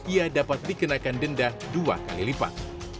ia dapat dikenakan denda dua kali lipat